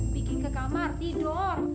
pigi ke kamar tidur